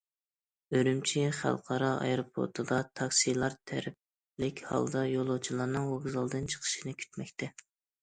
ئۈرۈمچى خەلقئارا ئايروپورتىدا، تاكسىلار تەرتىپلىك ھالدا يولۇچىلارنىڭ ۋوگزالدىن چىقىشىنى كۈتمەكتە.